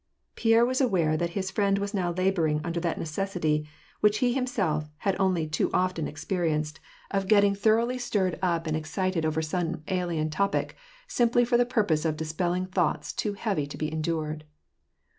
Pierre was aware that his iriend was now laboring under that necessity, which he himself bad only too often experienced, of 388 ^^^^^^ PEACE. getting thoroughly stirred up and excited over some alien topic, simply for the purpose of dispelling thoughts too heavy to be endured.